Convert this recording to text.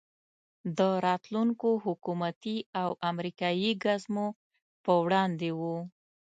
د راتلونکو حکومتي او امریکایي ګزمو په وړاندې وو.